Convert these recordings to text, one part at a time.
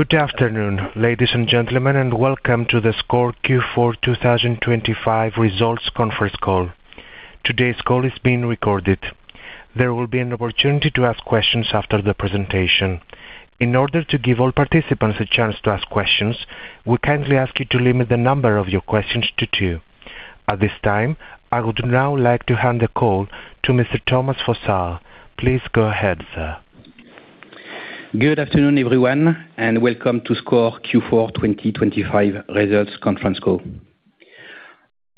Good afternoon, ladies and gentlemen, and welcome to the SCOR Q4 2025 results conference call. Today's call is being recorded. There will be an opportunity to ask questions after the presentation. In order to give all participants a chance to ask questions, we kindly ask you to limit the number of your questions to two. At this time, I would now like to hand the call to Mr. Thomas Fossard. Please go ahead, sir. Good afternoon, everyone, and welcome to SCOR Q4 2025 results conference call.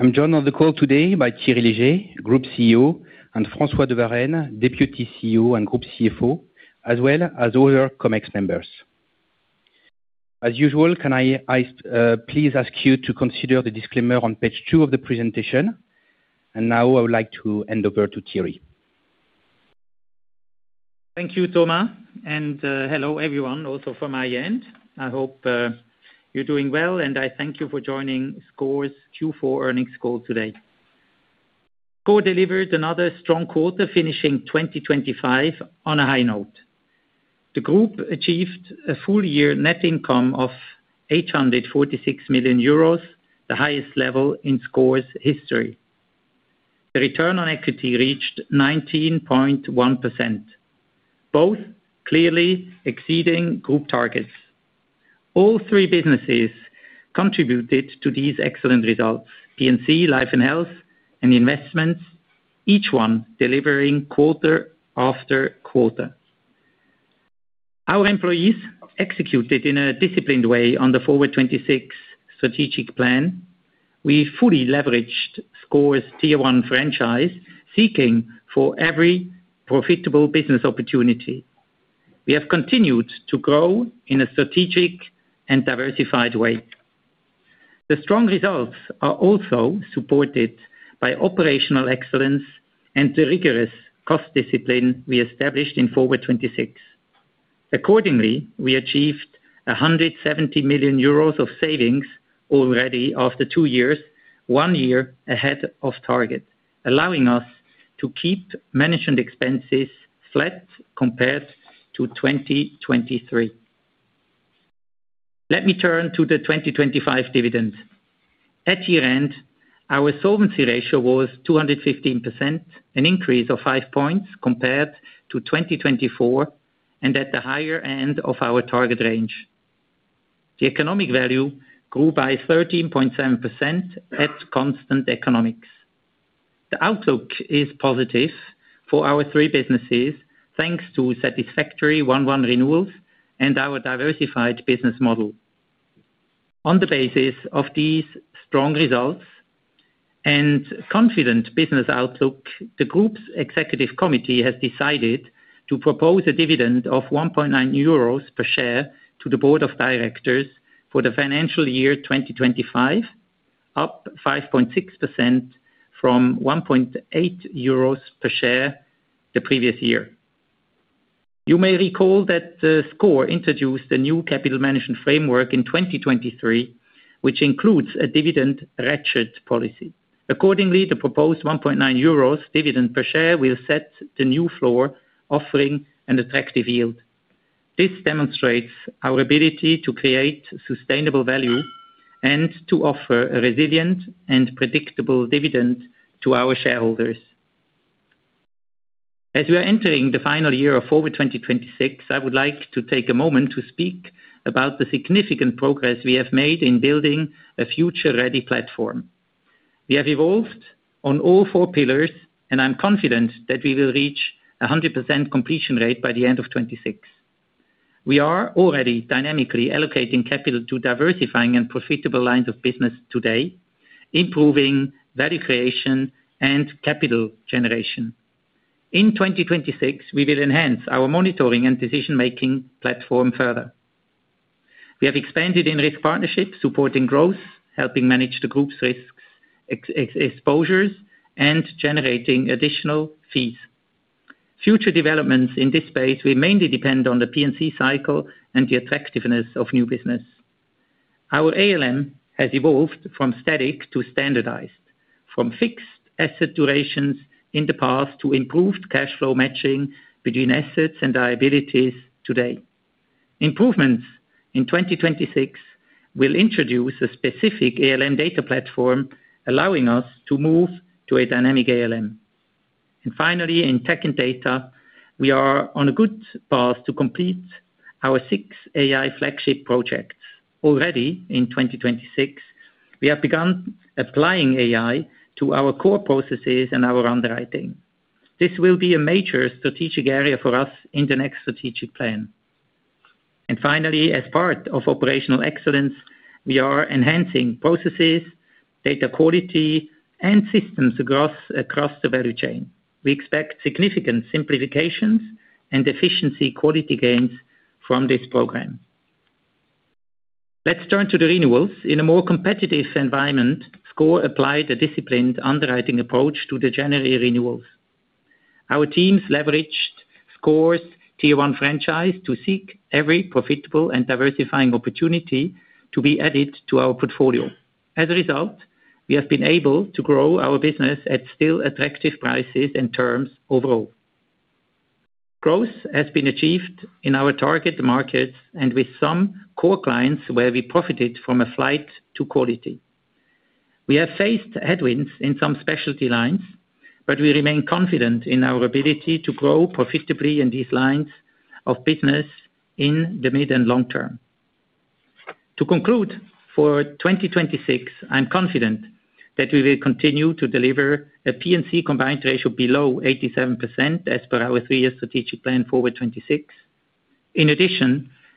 I'm joined on the call today by Thierry Léger, Group CEO, and François de Varenne, Deputy CEO and Group CFO, as well as other Comex members. As usual, can I please ask you to consider the disclaimer on page two of the presentation. Now I would like to hand over to Thierry. Thank you, Thomas. Hello everyone, also from my end. I hope you're doing well. I thank you for joining SCOR's Q4 earnings call today. SCOR delivered another strong quarter, finishing 2025 on a high note. The group achieved a full year net income of 846 million euros, the highest level in SCOR's history. The Return on Equity reached 19.1%, both clearly exceeding group targets. All three businesses contributed to these excellent results, P&C, life & health, and investments, each one delivering quarter after quarter. Our employees executed in a disciplined way on the Forward 2026 strategic plan. We fully leveraged SCOR's Tier 1 franchise, seeking for every profitable business opportunity. We have continued to grow in a strategic and diversified way. The strong results are also supported by operational excellence and the rigorous cost discipline we established in Forward 2026. Accordingly, we achieved 170 million euros of savings already after two years, one year ahead of target, allowing us to keep management expenses flat compared to 2023. Let me turn to the 2025 dividends. At year-end, our solvency ratio was 215%, an increase of 5 points compared to 2024, and at the higher end of our target range. The Economic Value grew by 13.7% at constant economics. The outlook is positive for our three businesses, thanks to satisfactory 1/1 renewals and our diversified business model. On the basis of these strong results and confident business outlook, the Group Executive Committee has decided to propose a dividend of 1.9 euros per share to the Board of Directors for the financial year 2025, up 5.6% from 1.8 euros per share the previous year. You may recall that SCOR introduced a new capital management framework in 2023, which includes a dividend ratchet policy. The proposed 1.9 euros dividend per share will set the new floor, offering an attractive yield. This demonstrates our ability to create sustainable value and to offer a resilient and predictable dividend to our shareholders. As we are entering the final year of Forward 2026, I would like to take a moment to speak about the significant progress we have made in building a future-ready platform. We have evolved on all four pillars. I'm confident that we will reach a 100% completion rate by the end of 2026. We are already dynamically allocating capital to diversifying and profitable lines of business today, improving value creation and capital generation. In 2026, we will enhance our monitoring and decision-making platform further. We have expanded in risk partnerships, supporting growth, helping manage the group's risks, exposures, and generating additional fees. Future developments in this space will mainly depend on the P&C cycle and the attractiveness of new business. Our ALM has evolved from static to standardized, from fixed asset durations in the past to improved cash flow matching between assets and liabilities today. Improvements in 2026 will introduce a specific ALM data platform, allowing us to move to a dynamic ALM. Finally, in tech and data, we are on a good path to complete our six AI flagship projects. Already in 2026, we have begun applying AI to our core processes and our underwriting. This will be a major strategic area for us in the next strategic plan. Finally, as part of operational excellence, we are enhancing processes, data quality, and systems across the value chain. We expect significant simplifications and efficiency quality gains from this program. Let's turn to the renewals. In a more competitive environment, SCOR applied a disciplined underwriting approach to the January renewals. Our teams leveraged SCOR's Tier 1 franchise to seek every profitable and diversifying opportunity to be added to our portfolio. Result, we have been able to grow our business at still attractive prices and terms overall. Growth has been achieved in our target markets and with some core clients where we profited from a flight to quality. We have faced headwinds in some specialty lines, we remain confident in our ability to grow profitably in these lines of business in the mid and long term. To conclude, for 2026, I'm confident that we will continue to deliver a P&C combined ratio below 87% as per our three-year strategic plan Forward 2026.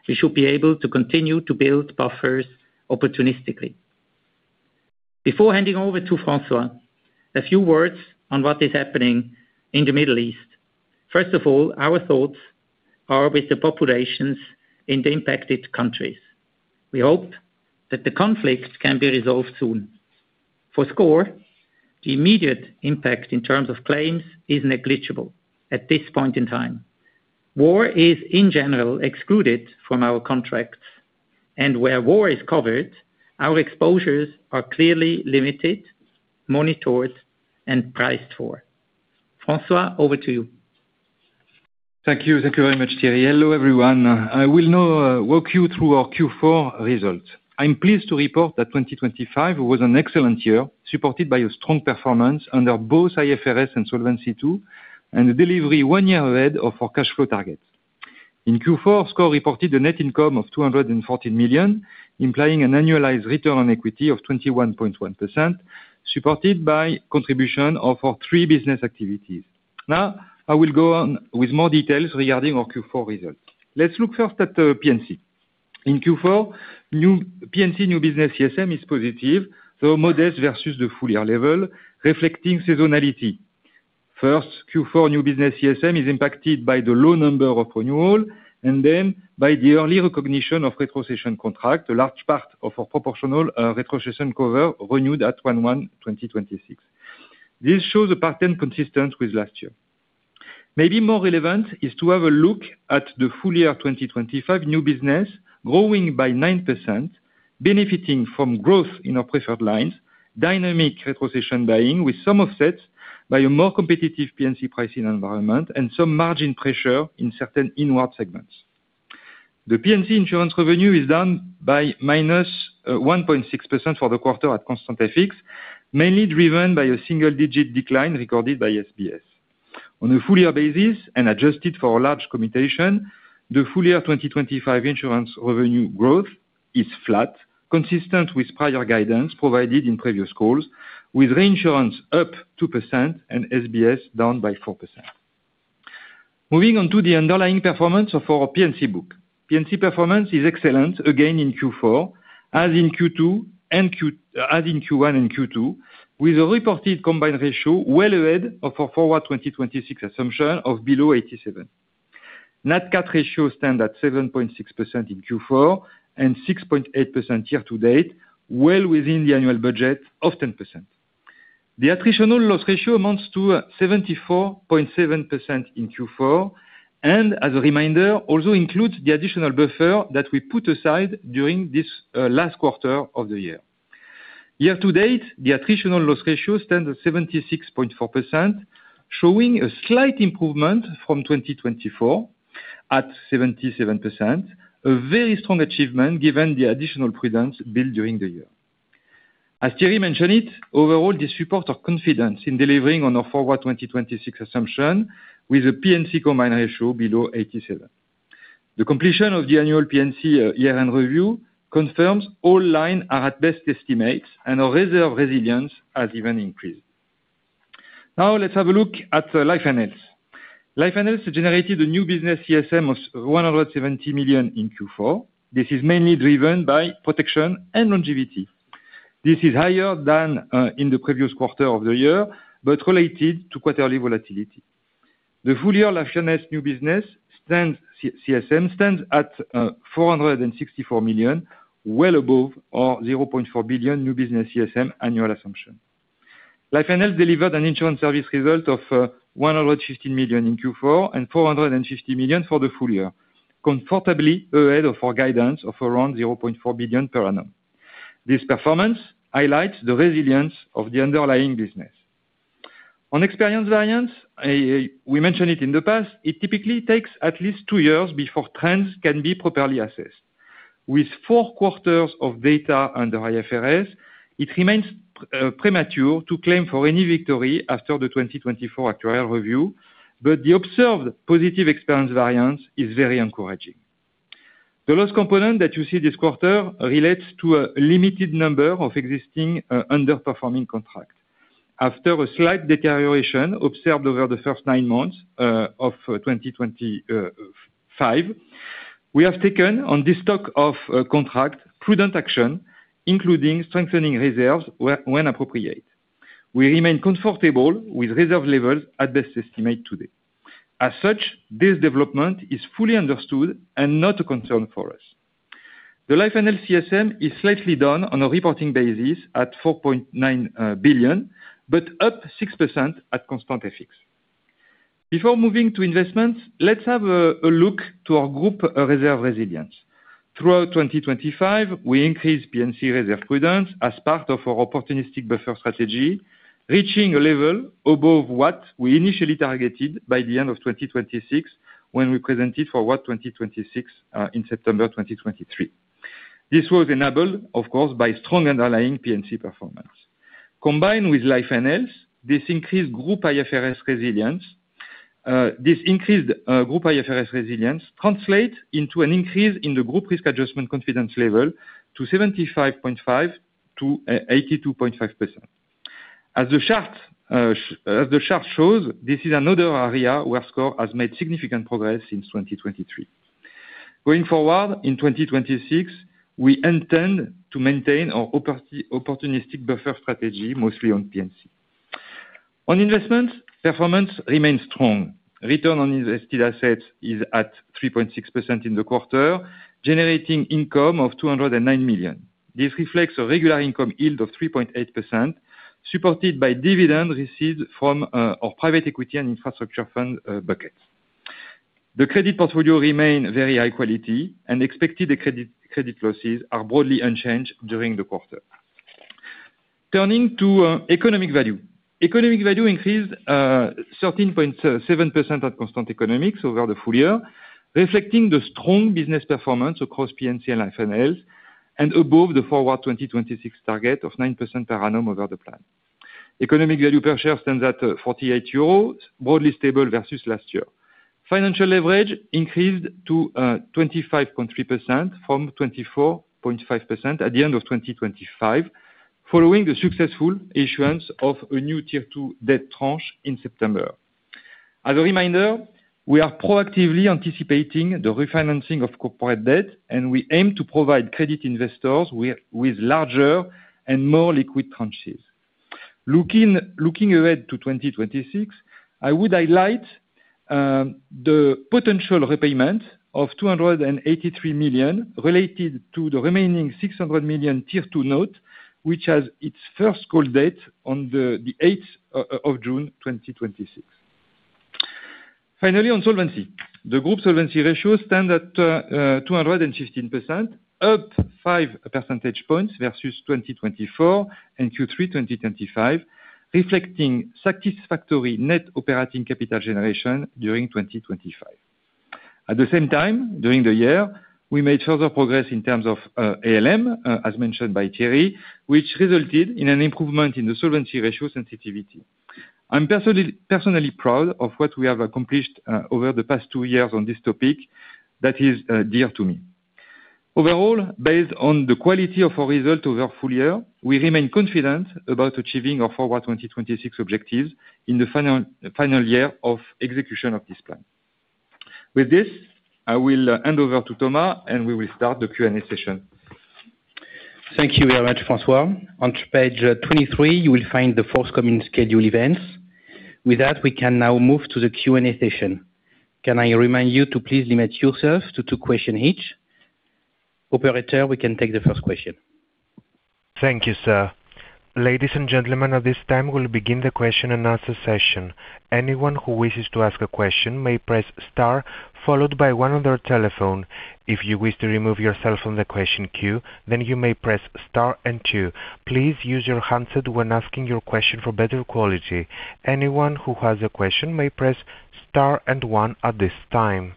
we should be able to continue to build buffers opportunistically. Before handing over to François, a few words on what is happening in the Middle East. Our thoughts are with the populations in the impacted countries. We hope that the conflict can be resolved soon. For SCOR, the immediate impact in terms of claims is negligible at this point in time. War is, in general, excluded from our contracts, and where war is covered, our exposures are clearly limited, monitored, and priced for. François, over to you. Thank you. Thank you very much, Thierry. Hello, everyone. I will now walk you through our Q4 results. I'm pleased to report that 2025 was an excellent year, supported by a strong performance under both IFRS and Solvency II and the delivery one year ahead of our cash flow targets. In Q4, SCOR reported a net income of 214 million, implying an annualized Return on Equity of 21.1%, supported by contribution of our three business activities. I will go on with more details regarding our Q4 results. Let's look first at P&C. In Q4, P&C new business CSM is positive, though modest versus the full-year level, reflecting seasonality. Q4 new business CSM is impacted by the low number of renewal by the early recognition of retrocession contract, a large part of our proportional retrocession cover renewed at January 1st 2026. This shows a pattern consistent with last year. Maybe more relevant is to have a look at the full year 2025 new business growing by 9%, benefiting from growth in our preferred lines, dynamic retrocession buying, with some offsets by a more competitive P&C pricing environment and some margin pressure in certain inward segments. The P&C insurance revenue is down by -1.6% for the quarter at constant FX, mainly driven by a single-digit decline recorded by SBS. On a full-year basis and adjusted for large commutation, the full year 2025 insurance revenue growth is flat, consistent with prior guidance provided in previous calls, with reinsurance up 2% and SBS down by 4%. Moving on to the underlying performance of our P&C book. P&C performance is excellent again in Q4, as in Q1 and Q2, with a reported combined ratio well ahead of our Forward 2026 assumption of below 87. Nat Cat ratio stand at 7.6% in Q4 and 6.8% year to date, well within the annual budget of 10%. The attritional loss ratio amounts to 74.7% in Q4 and, as a reminder, also includes the additional buffer that we put aside during this last quarter of the year. Year to date, the attritional loss ratio stands at 76.4%, showing a slight improvement from 2024 at 77%, a very strong achievement given the additional prudence built during the year. As Thierry mentioned it, overall this support our confidence in delivering on our Forward 2026 assumption with a P&C combined ratio below 87%. The completion of the annual P&C year-end review confirms all line are at best estimates and our reserve resilience has even increased. Let's have a look at life and health. Life and health generated a new business CSM of 170 million in Q4. This is mainly driven by protection and longevity. This is higher than in the previous quarter of the year, related to quarterly volatility. The full year life and health new business CSM stands at 464 million, well above our 0.4 billion new business CSM annual assumption. Life and health delivered an insurance service result of 115 million in Q4 and 450 million for the full year, comfortably ahead of our guidance of around 0.4 billion per annum. This performance highlights the resilience of the underlying business. On experience variance, we mentioned it in the past, it typically takes at least two years before trends can be properly assessed. With four quarters of data under IFRS, it remains premature to claim for any victory after the 2024 actuarial review, but the observed positive experience variance is very encouraging. The last component that you see this quarter relates to a limited number of existing underperforming contracts. After a slight deterioration observed over the first nine months of 2025, we have taken on this stock of contract prudent action, including strengthening reserves when appropriate. We remain comfortable with reserve levels at best estimate to date. This development is fully understood and not a concern for us. The life and health CSM is slightly down on a reporting basis at 4.9 billion, up 6% at constant FX. Before moving to investments, let's have a look to our group reserve resilience. Throughout 2025, we increased P&C reserve prudence as part of our opportunistic buffer strategy, reaching a level above what we initially targeted by the end of 2026 when we presented Forward 2026 in September 2023. This was enabled, of course, by strong underlying P&C performance. Combined with Life & Health, this increased Group IFRS resilience. This increased Group IFRS resilience translates into an increase in the group risk adjustment confidence level to 75.5%-82.5%. As the chart shows, this is another area where SCOR has made significant progress since 2023. Going forward, in 2026, we intend to maintain our opportunistic buffer strategy, mostly on P&C. On investment, performance remains strong. Return on invested assets is at 3.6% in the quarter, generating income of 209 million. This reflects a regular income yield of 3.8%, supported by dividend received from our private equity and infrastructure fund buckets. The credit portfolio remain very high quality and expected credit losses are broadly unchanged during the quarter. Turning to economic value. Economic value increased 13.7% at constant economics over the full year, reflecting the strong business performance across P&C and Life & Health and above the Forward 2026 target of 9% per annum over the plan. Economic value per share stands at 48 euros, broadly stable versus last year. Financial leverage increased to 25.3% from 24.5% at the end of 2025, following the successful issuance of a new Tier 2 debt tranche in September. As a reminder, we are proactively anticipating the refinancing of corporate debt, and we aim to provide credit investors with larger and more liquid tranches. Looking ahead to 2026, I would highlight the potential repayment of 283 million related to the remaining 600 million Tier 2 note, which has its first call date on the June 8th 2026. Finally, on solvency. The group solvency ratio stand at 215%, up 5 percentage points versus 2024 and Q3 2025, reflecting satisfactory net operating capital generation during 2025. At the same time, during the year, we made further progress in terms of ALM, as mentioned by Thierry, which resulted in an improvement in the solvency ratio sensitivity. I'm personally proud of what we have accomplished over the past two years on this topic that is dear to me. Overall, based on the quality of our result over our full year, we remain confident about achieving our Forward 2026 objectives in the final year of execution of this plan. With this, I will hand over to Thomas, and we will start the Q&A session. Thank you very much, François. On Page 23, you will find the forthcoming schedule events. With that, we can now move to the Q&A session. Can I remind you to please limit yourself to two question each? Operator, we can take the first question. Thank you, sir. Ladies and gentlemen, at this time, we'll begin the question and answer session. Anyone who wishes to ask a question may press star followed by one on their telephone. If you wish to remove yourself from the question queue, you may press star and two. Please use your handset when asking your question for better quality. Anyone who has a question may press star and one at this time.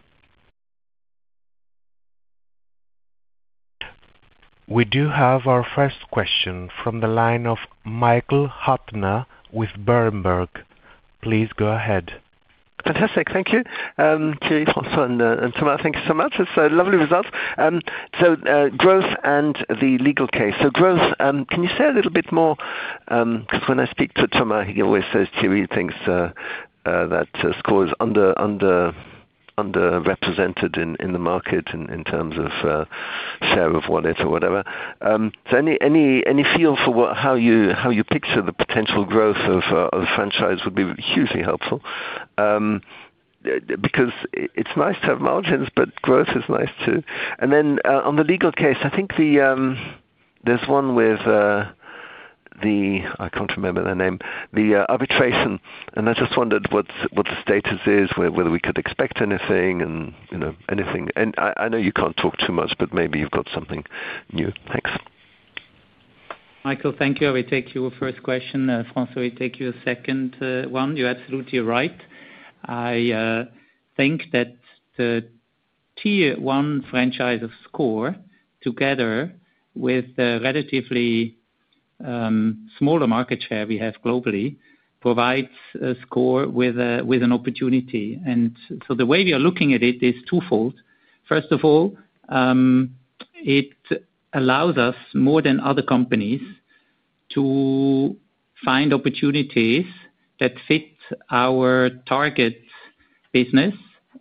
We do have our first question from the line of Michael Huttner with Berenberg. Please go ahead. Fantastic. Thank you. Thierry, François, and Thomas, thank you so much. It's lovely results. Growth and the legal case. Growth, can you say a little bit more, 'cause when I speak to Thomas, he always says Thierry thinks that SCOR is underrepresented in the market in terms of share of wallet or whatever. Any feel for how you picture the potential growth of the franchise would be hugely helpful. Because it's nice to have margins, but growth is nice too. On the legal case, I think there's one with the... I can't remember the name. The arbitration, and I just wondered what the status is, whether we could expect anything and, you know, anything. I know you can't talk too much, but maybe you've got something new. Thanks. Michael, thank you. I will take your first question. François will take your second one. You're absolutely right. I think that the Tier 1 franchise of SCOR, together with the relatively smaller market share we have globally, provides SCOR with an opportunity. The way we are looking at it is twofold. First of all, it allows us more than other companies to find opportunities that fit our target business.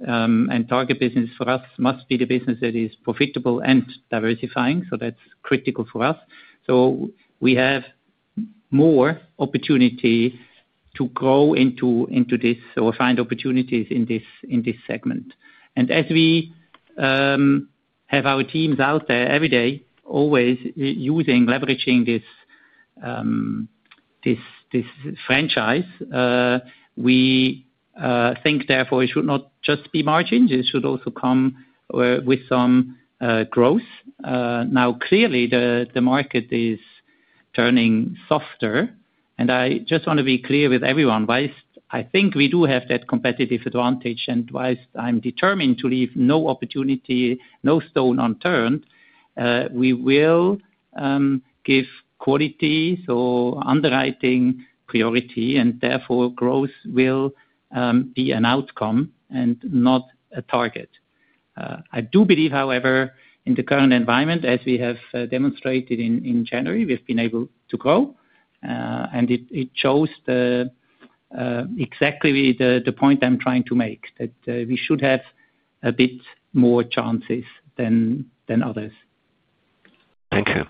Target business for us must be the business that is profitable and diversifying, so that's critical for us. We have more opportunity to grow into this or find opportunities in this segment. As we have our teams out there every day, always using leveraging this This franchise, we think therefore it should not just be margins, it should also come with some growth. Now clearly the market is turning softer, and I just wanna be clear with everyone, whilst I think we do have that competitive advantage, and whilst I'm determined to leave no opportunity, no stone unturned, we will give quality, so underwriting priority and therefore growth will be an outcome and not a target. I do believe, however, in the current environment, as we have demonstrated in January, we've been able to grow, and it shows exactly the point I'm trying to make that we should have a bit more chances than others. Thank you.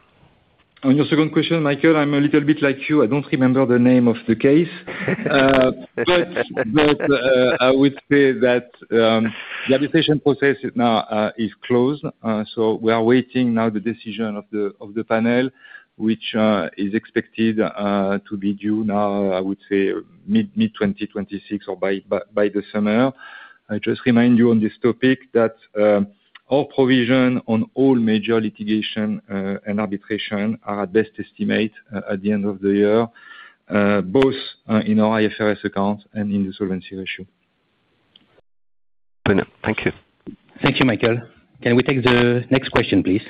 On your second question, Michael, I'm a little bit like you. I don't remember the name of the case. I would say that the arbitration process is now closed. We are waiting now the decision of the panel, which is expected to be due now, I would say mid-2026 or by the summer. I just remind you on this topic that our provision on all major litigation and arbitration are our best estimate at the end of the year, both in our IFRS account and in the solvency ratio. Brilliant. Thank you. Thank you, Michael. Can we take the next question, please?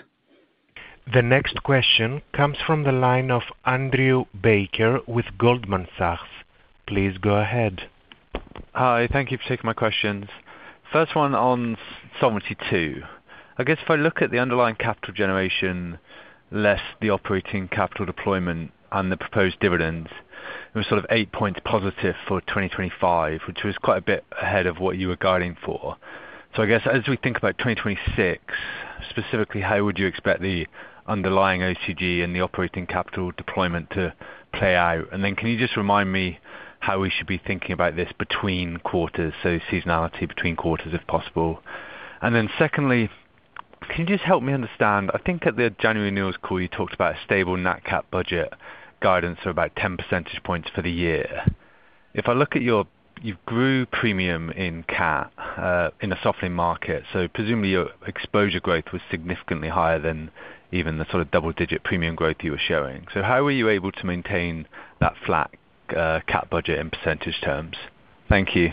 The next question comes from the line of Andrew Baker with Goldman Sachs. Please go ahead. Hi. Thank you for taking my questions. First one on Solvency II. I guess if I look at the underlying capital generation less the operating capital deployment on the proposed dividends, it was sort of 8 percentage points positive for 2025, which was quite a bit ahead of what you were guiding for. I guess as we think about 2026, specifically, how would you expect the underlying OCG and the operating capital deployment to play out? Can you just remind me how we should be thinking about this between quarters, so seasonality between quarters, if possible? Secondly, can you just help me understand, I think at the January news call, you talked about a stable nat cat budget guidance of about 10 percentage points for the year. If I look at your... You grew premium in CAT in a softening market, presumably your exposure growth was significantly higher than even the sort of double-digit premium growth you were showing. How were you able to maintain that flat CAT budget in percentage terms? Thank you.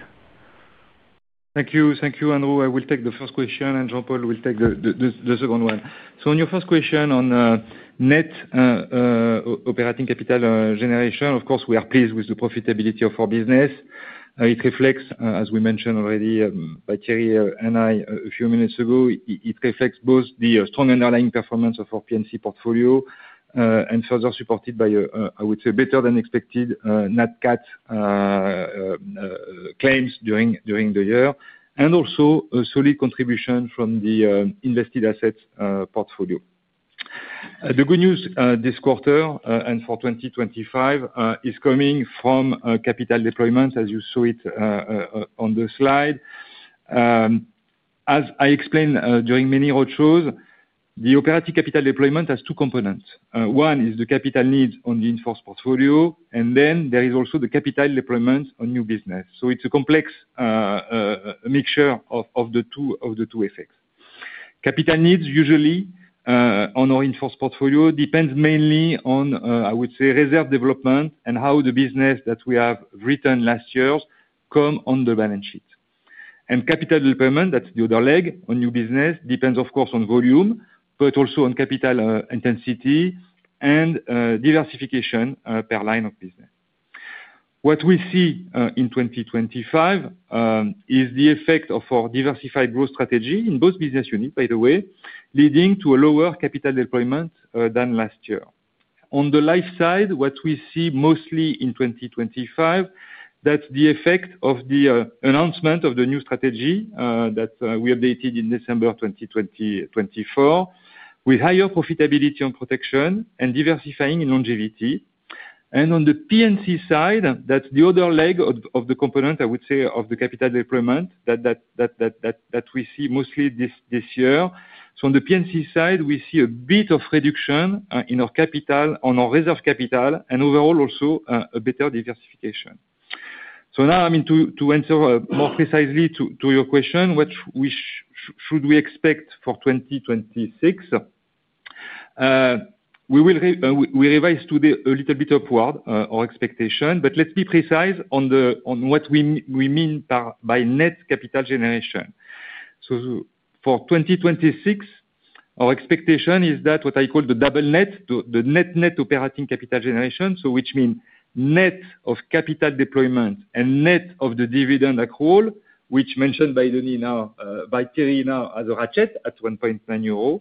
Thank you. Thank you, Andrew. I will take the first question. Jean-Paul will take the second one. On your first question on net operating capital generation, of course, we are pleased with the profitability of our business. It reflects, as we mentioned already, by Thierry and I a few minutes ago, it reflects both the strong underlying performance of our P&C portfolio, and further supported by a, I would say better than expected, Nat Cat claims during the year, and also a solid contribution from the invested assets portfolio. The good news this quarter, and for 2025, is coming from capital deployment, as you saw it on the slide. As I explained, during many roadshows, the operating capital deployment has two components. One is the capital needs on the in-force portfolio, then there is also the capital deployment on new business. It's a complex mixture of the two effects. Capital needs usually on our in-force portfolio depends mainly on, I would say, reserve development and how the business that we have written last year come on the balance sheet. Capital deployment, that's the other leg on new business, depends of course on volume, but also on capital intensity and diversification per line of business. What we see in 2025 is the effect of our diversified growth strategy in both business units, by the way, leading to a lower capital deployment than last year. On the life side, what we see mostly in 2025, that's the effect of the announcement of the new strategy that we updated in December of 2024, with higher profitability on protection and diversifying in longevity. On the P&C side, that's the other leg of the component, I would say, of the capital deployment that we see mostly this year. On the P&C side, we see a bit of reduction in our capital, on our reserve capital and overall also a better diversification. Now, I mean, to answer more precisely to your question, what should we expect for 2026? We will revise today a little bit upward our expectation, but let's be precise on what we mean by net capital generation. For 2026, our expectation is that what I call the double net, the net-net operating capital generation, which mean net of capital deployment and net of the dividend accrual, which mentioned by Thierry Léger now as a ratchet at 1.9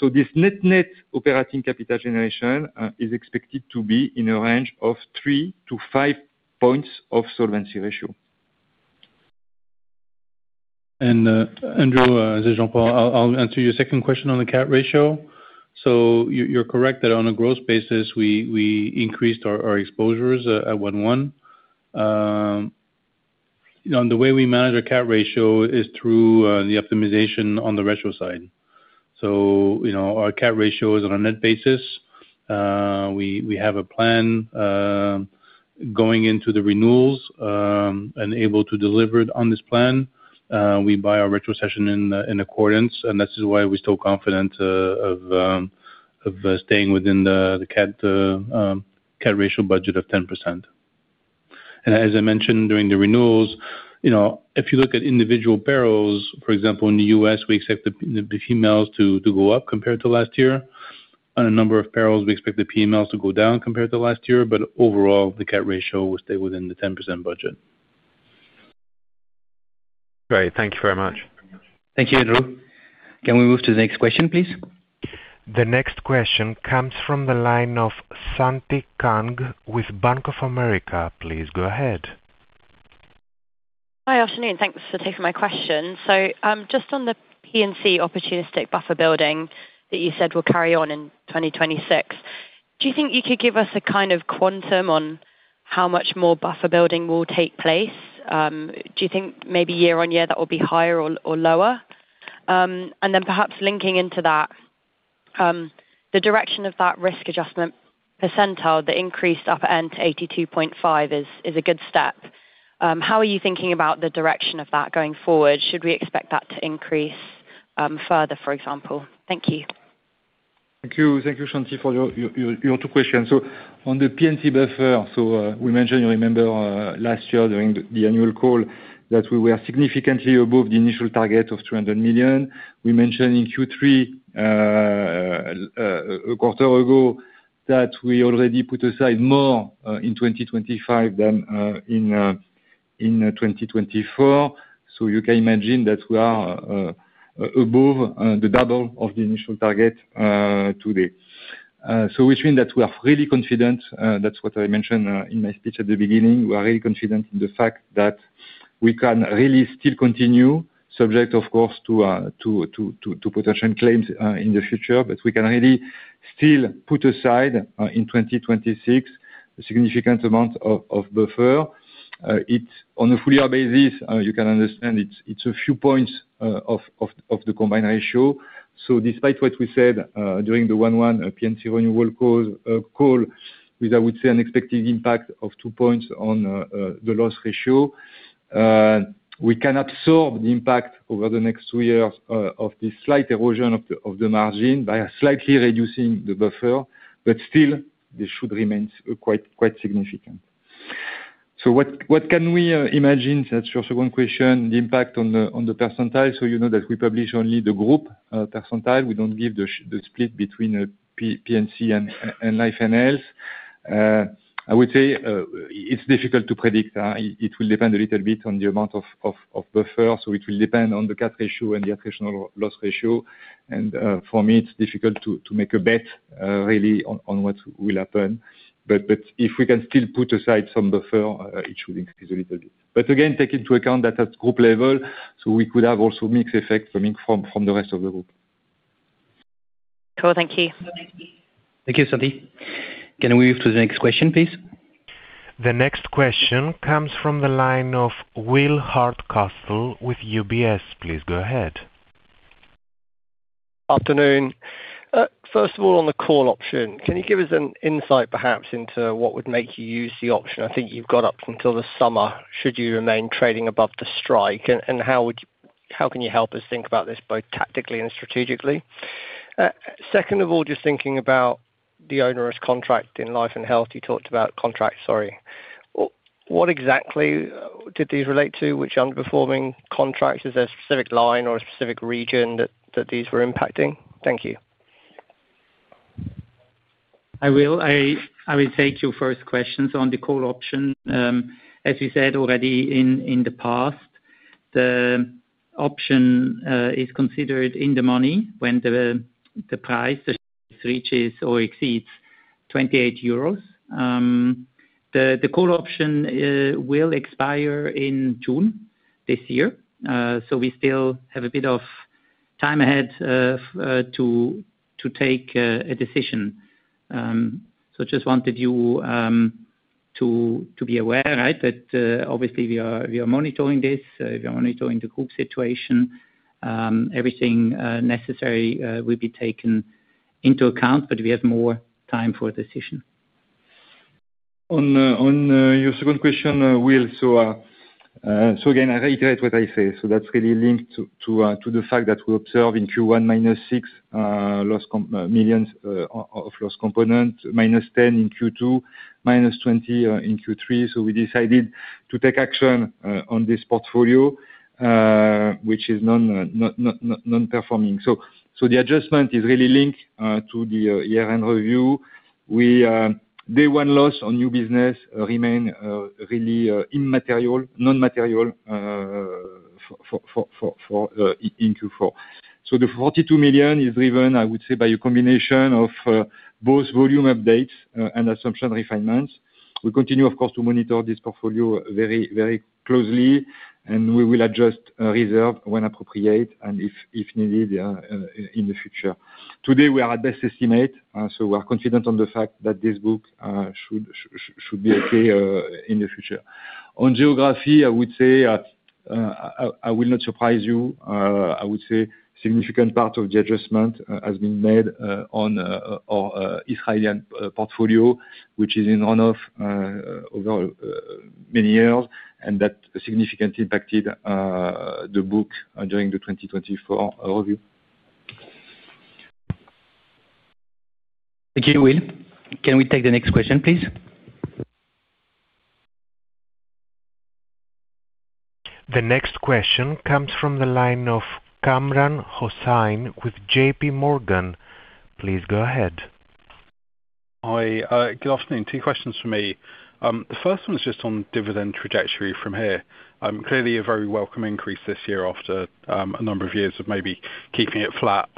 euro. This net-net operating capital generation is expected to be in a range of 3 points-5 points of solvency ratio. Andrew, this is Jean-Paul. I'll answer your second question on the catastrophe ratio. You're correct that on a gross basis, we increased our exposures at 1/1. You know, the way we manage our catastrophe ratio is through the optimization on the retro side. You know, our catastrophe ratio is on a net basis. We have a plan going into the renewals, able to deliver it on this plan. We buy our retrocession in accordance, this is why we're still confident of staying within the CAT catastrophe ratio budget of 10%. As I mentioned during the renewals, you know, if you look at individual perils, for example, in the U.S., we expect the PMLs to go up compared to last year. On a number of perils, we expect the PMLs to go down compared to last year, overall, the catastrophe ratio will stay within the 10% budget. Great. Thank you very much. Thank you, Andrew. Can we move to the next question, please? The next question comes from the line of Shanti Kang with Bank of America. Please go ahead. Hi. Afternoon. Thanks for taking my question. Just on the P&C opportunistic buffer building that you said will carry on in 2026, do you think you could give us a kind of quantum on how much more buffer building will take place? Do you think maybe year-on-year that will be higher or lower? Perhaps linking into that, the direction of that risk adjustment percentile, the increased upper end to 82.5% is a good step. How are you thinking about the direction of that going forward? Should we expect that to increase further, for example? Thank you. Thank you. Thank you, Shanti, for your two questions. On the P&C buffer, we mentioned, you remember, last year during the annual call, that we were significantly above the initial target of 200 million. We mentioned in Q3, a quarter ago, that we already put aside more in 2025 than in 2024. You can imagine that we are above the double of the initial target to date. Which mean that we are really confident, that's what I mentioned in my speech at the beginning. We are really confident in the fact that we can really still continue, subject of course to potential claims in the future. we can really still put aside in 2026 a significant amount of buffer. it's on a full-year basis, you can understand it's a few points of the combined ratio. despite what we said during the 1/1 P&C renewal call, with, I would say, an expected impact of 2 points on the loss ratio, we can absorb the impact over the next two years of this slight erosion of the margin by slightly reducing the buffer. still, this should remain quite significant. what can we imagine? That's your second question, the impact on the percentile. you know that we publish only the group percentile. We don't give the split between P&C and life and health. I would say it's difficult to predict. It will depend a little bit on the amount of buffer. It will depend on the catastrophe ratio and the occasional loss ratio. For me, it's difficult to make a bet really on what will happen. If we can still put aside some buffer, it should increase a little bit. Again, take into account that at group level, we could have also mixed effect coming from the rest of the group. Cool. Thank you. Thank you, Shanti. Can we move to the next question, please? The next question comes from the line of William Hardcastle with UBS. Please go ahead. Afternoon. First of all, on the call option, can you give us an insight perhaps into what would make you use the option? I think you've got up until the summer, should you remain trading above the strike, and how can you help us think about this both tactically and strategically? Second of all, just thinking about the onerous contract in life and health. You talked about contracts, sorry. What exactly did these relate to? Which underperforming contracts? Is there a specific line or a specific region that these were impacting? Thank you. I will. I will take your first questions on the call option. As you said already in the past, the option is considered in the money when the price reaches or exceeds 28 euros. The call option will expire in June this year. We still have a bit of time ahead to take a decision. Just wanted you to be aware, right, that obviously we are monitoring this. We are monitoring the group situation. Everything necessary will be taken into account, but we have more time for a decision. On your second question, Will. Again, I reiterate what I said. That's really linked to the fact that we observe in Q1 -6 million of loss component, -10 in Q2, -20 in Q3. We decided to take action on this portfolio, which is non-performing. The adjustment is really linked to the year-end review. Day one loss on new business remain really immaterial, non-material for Q4. The 42 million is driven, I would say, by a combination of both volume updates and assumption refinements. We continue, of course, to monitor this portfolio very, very closely, and we will adjust reserve when appropriate and if needed in the future. Today, we are at best estimate, we're confident on the fact that this book should be okay in the future. On geography, I would say, I will not surprise you. I would say significant part of the adjustment has been made on our Israeli portfolio, which is in one-off over many years, and that significantly impacted the book during the 2024 overview. Thank you, Will. Can we take the next question, please? The next question comes from the line of Kamran Hossain with JPMorgan. Please go ahead. Hi. Good afternoon. Two questions for me. The first one is just on dividend trajectory from here. Clearly a very welcome increase this year after a number of years of maybe keeping it flat.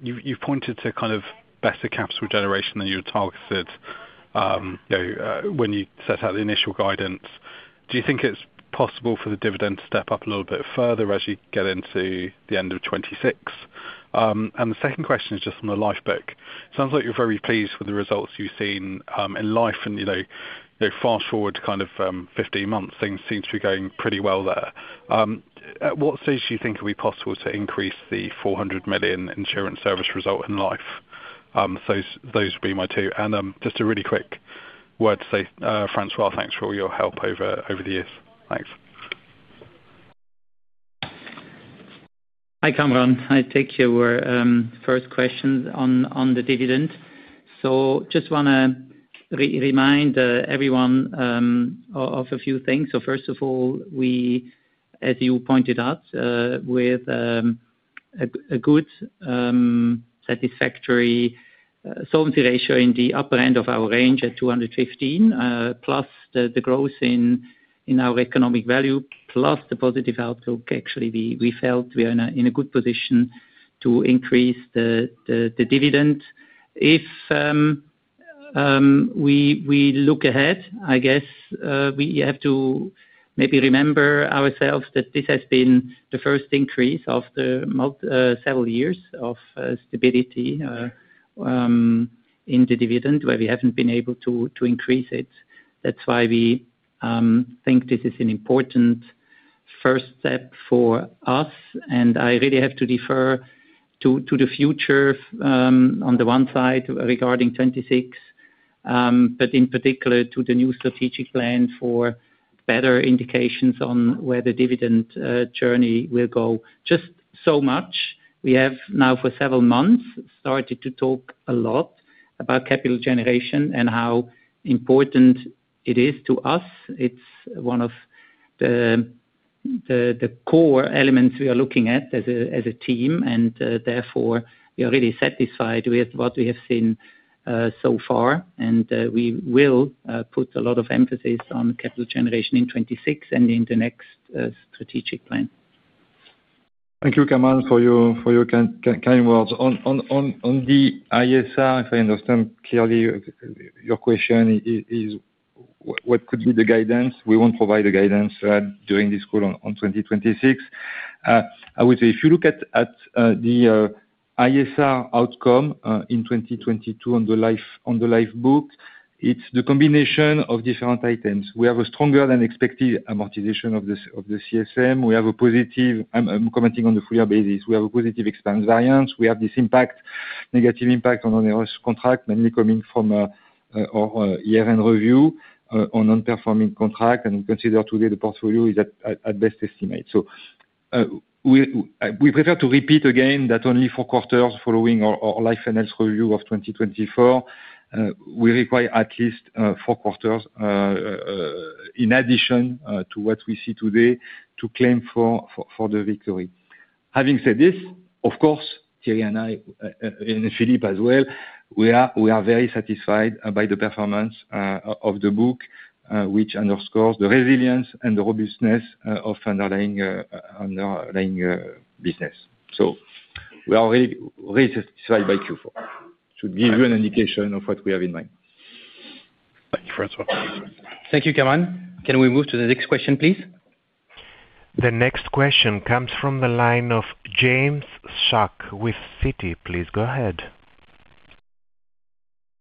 You've pointed to kind of better capital generation than you had targeted, you know, when you set out the initial guidance. Do you think it's possible for the dividend to step up a little bit further as you get into the end of 2026? The second question is just on the Life book. Sounds like you're very pleased with the results you've seen in Life and, you know, fast-forward to kind of 15 months, things seem to be going pretty well there. At what stage do you think it'll be possible to increase the 400 million insurance service result in Life? Those would be my two. Just a really quick word to say, François, thanks for all your help over the years. Thanks. Hi, Kamran. I take your first question on the dividend. Just wanna remind everyone of a few things. First of all, we, as you pointed out, with a good, satisfactory solvency ratio in the upper end of our range at 215%+ the growth in our Economic Value, plus the positive outlook, actually we felt we are in a good position to increase the dividend. If we look ahead, I guess, we have to maybe remember ourselves that this has been the first increase after several years of stability in the dividend where we haven't been able to increase it. That's why we think this is an important first step for us, and I really have to defer to the future, on the one side regarding 2026, but in particular to the new strategic plan for better indications on where the dividend journey will go. Just so much, we have now for several months started to talk a lot about capital generation and how important it is to us. It's one of the core elements we are looking at as a team, therefore we are really satisfied with what we have seen so far. We will put a lot of emphasis on capital generation in 2026 and in the next strategic plan. Thank you, Kamran, for your kind words. On the ISR, if I understand clearly your question is, what could be the guidance? We won't provide the guidance during this call on 2026. I would say if you look at the ISR outcome in 2022 on the Life book, it's the combination of different items. We have a stronger than expected amortization of the CSM. We have a positive. I'm commenting on the full-year basis. We have a positive expense variance. We have this impact, negative impact on a risk contract, mainly coming from our year-end review on non-performing contract, and we consider today the portfolio is at best estimate. We prefer to repeat again that only four quarters following our life and health review of 2024, we require at least four quarters in addition to what we see today to claim for the victory. Having said this, of course, Thierry and I and Philippe as well, we are very satisfied by the performance of the book, which underscores the resilience and the robustness of underlying underlying business. We are really, really satisfied by Q4. Should give you an indication of what we have in mind. Thank you, François. Thank you, Kamran. Can we move to the next question, please? The next question comes from the line of James Shuck with Citi. Please go ahead.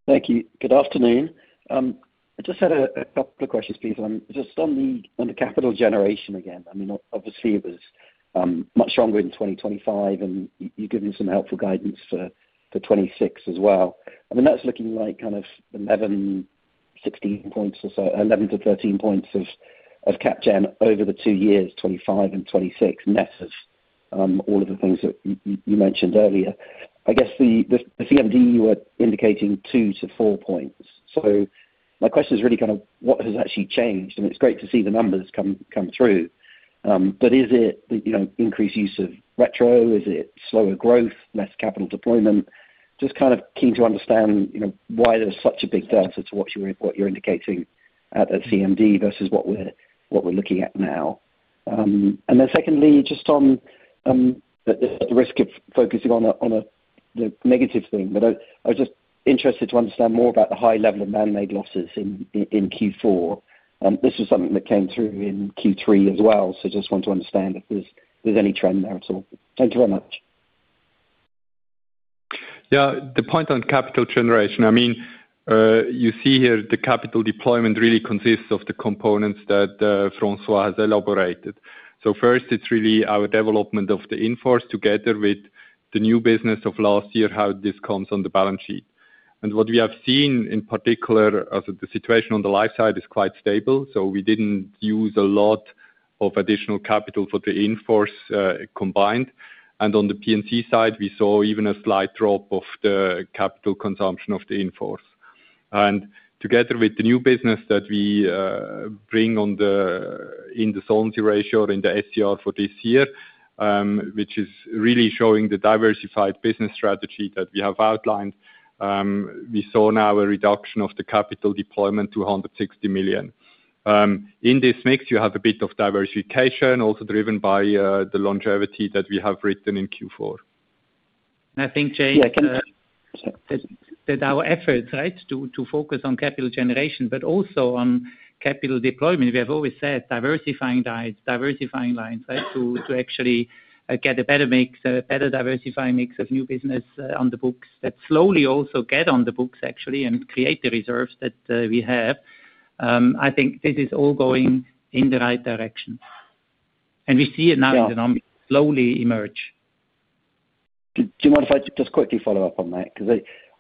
Thank you. Good afternoon. I just had a couple of questions, please. Just on the capital generation again. I mean, obviously it was much stronger in 2025, and you've given some helpful guidance for 2026 as well. I mean, that's looking like kind of 11 points, 16 points or so, 11 points-13 points of cap gen over the two years, 2025 and 2026, net of all of the things that you mentioned earlier. I guess the CMD, you were indicating 2 points-4 points. My question is really kind of what has actually changed? It's great to see the numbers come through. Is it, you know, increased use of retro? Is it slower growth, less capital deployment? Just kind of keen to understand, you know, why there's such a big delta to what you're indicating at the CMD versus what we're looking at now. Secondly, just on the risk of focusing on a negative thing, but I was just interested to understand more about the high level of man-made losses in Q4. This is something that came through in Q3 as well. Just want to understand if there's any trend there at all. Thank you very much. Yeah, the point on capital generation, I mean, you see here the capital deployment really consists of the components that François has elaborated. First, it's really our development of the in-force together with the new business of last year, how this comes on the balance sheet. What we have seen in particular of the situation on the life side is quite stable, so we didn't use a lot of additional capital for the in-force combined. On the P&C side, we saw even a slight drop of the capital consumption of the in-force. Together with the new business that we bring on the, in the Solvency ratio, in the SCR for this year, which is really showing the diversified business strategy that we have outlined, we saw now a reduction of the capital deployment to 160 million. In this mix, you have a bit of diversification also driven by the longevity that we have written in Q4. I think, James. Yeah. That our efforts, right, to focus on capital generation, but also on capital deployment, we have always said diversifying diets, diversifying lines, right, to actually get a better mix, a better diversifying mix of new business on the books that slowly also get on the books actually and create the reserves that we have. I think this is all going in the right direction. We see it now. Yeah. Slowly emerge. Do you mind if I just quickly follow up on that?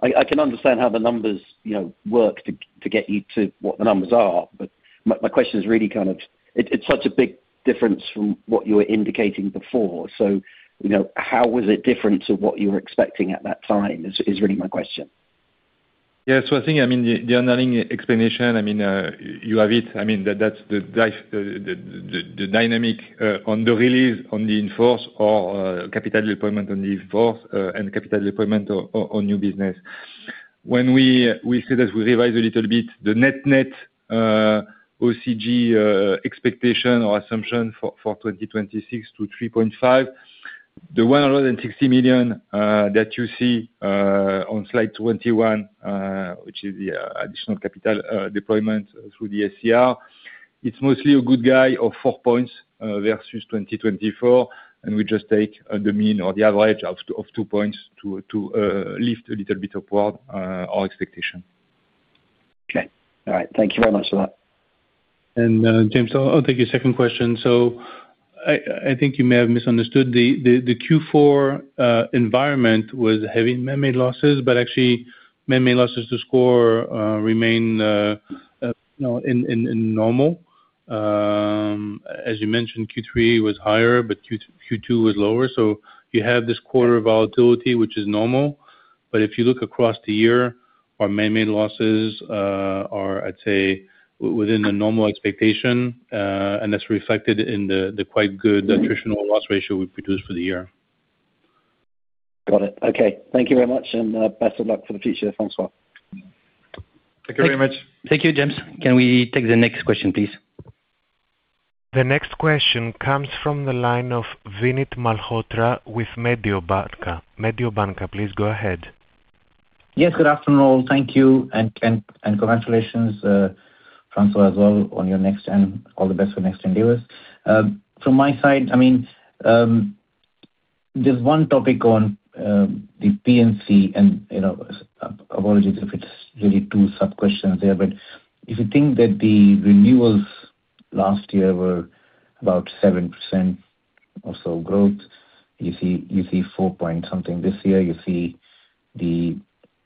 I can understand how the numbers, you know, work to get you to what the numbers are. My question is really kind of it's such a big difference from what you were indicating before. You know, how was it different to what you were expecting at that time? Is really my question. Yeah. I think, I mean, the underlying explanation, I mean, you have it. I mean, that's the dynamic on the release, on the in-force or capital deployment on the in-force and capital deployment on new business. When we say that we revise a little bit the net-net OCG expectation or assumption for 2026 to 3.5 points. The 160 million that you see on Slide 21, which is the additional capital deployment through the SCR, it's mostly a good guy of 4 points versus 2024, and we just take a demean or the average of 2 points to lift a little bit upward our expectation. Okay. All right. Thank you very much for that. James, I'll take a second question. I think you may have misunderstood the Q4 environment was heavy man-made losses, but actually man-made losses to SCOR remain, you know, in normal. As you mentioned, Q3 was higher, but Q2 was lower. You have this quarter volatility, which is normal. If you look across the year, our man-made losses are, I'd say within the normal expectation, and that's reflected in the quite good- Mm-hmm. attritional loss ratio we produced for the year. Got it. Okay. Thank you very much. Best of luck for the future, François. Thank you very much. Thank you, James. Can we take the next question, please? The next question comes from the line of Vinit Malhotra with Mediobanca. Mediobanca, please go ahead. Yes, good afternoon. Thank you. Congratulations, François as well on your next and all the best for next endeavors. From my side, I mean, there's one topic on the P&C and, you know, apologies if it's really two sub-questions there. If you think that the renewals last year were about 7% or so growth, you see 4-point-something this year, you see the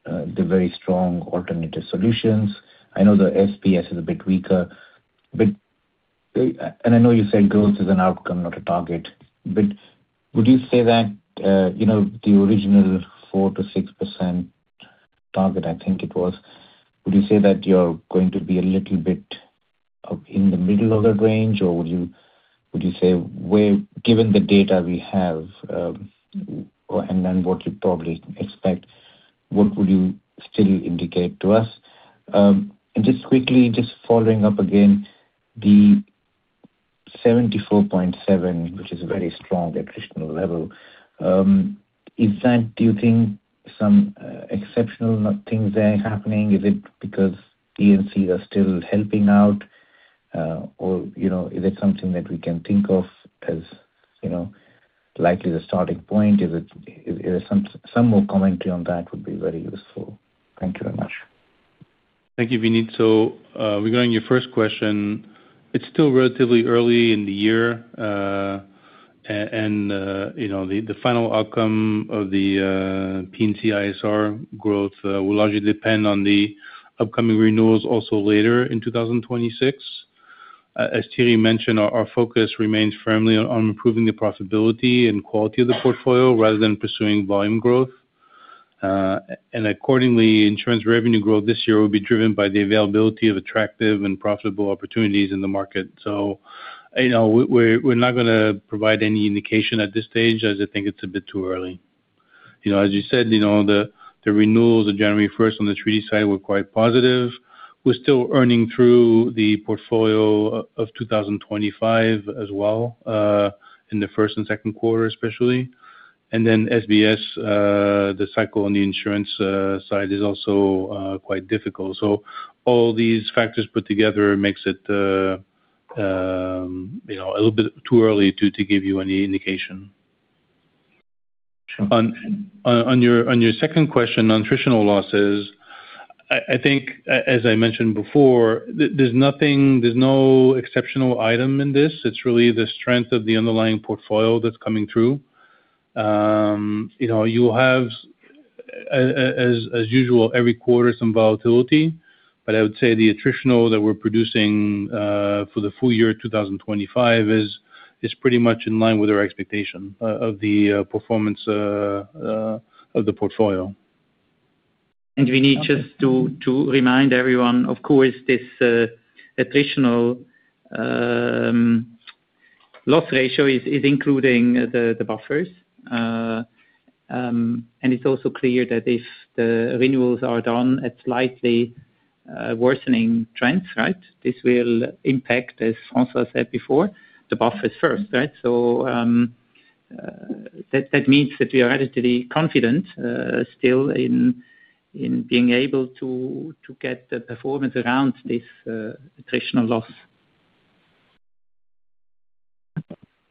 very strong alternative solutions. I know the SPS is a bit weaker, but, and I know you said growth is an outcome, not a target. Would you say that, you know, the original 4%-6% target, I think it was, would you say that you're going to be a little bit of in the middle of that range? Would you say given the data we have, and then what you probably expect, what would you still indicate to us? Just quickly, just following up again, the 74.7%, which is a very strong vibrational level, is that do you think some exceptional things are happening? Is it because P&Cs are still helping out? You know, is it something that we can think of as, you know, likely the starting point? Is it some more commentary on that would be very useful. Thank you very much. Thank you, Vinit. Regarding your first question, it's still relatively early in the year, you know, the final outcome of the P&C ISR growth will largely depend on the upcoming renewals also later in 2026. As Thierry mentioned, our focus remains firmly on improving the profitability and quality of the portfolio rather than pursuing volume growth. Accordingly, insurance revenue growth this year will be driven by the availability of attractive and profitable opportunities in the market. You know, we're not gonna provide any indication at this stage as I think it's a bit too early. You know, as you said, you know, the renewals of January first on the treaty side were quite positive. We're still earning through the portfolio of 2025 as well, in the first and second quarter especially. SBS, the cycle on the insurance side is also quite difficult. All these factors put together makes it. You know, a little bit too early to give you any indication. On your second question on attritional losses, I think as I mentioned before, there's nothing, there's no exceptional item in this. It's really the strength of the underlying portfolio that's coming through. You know, you have as usual, every quarter some volatility, but I would say the attritional that we're producing for the full year 2025 is pretty much in line with our expectation of the performance of the portfolio. We need just to remind everyone, of course, this attritional loss ratio is including the buffers. It's also clear that if the renewals are done at slightly worsening trends, right? This will impact, as François said before, the buffers first, right? That means that we are relatively confident still in being able to get the performance around this attritional loss.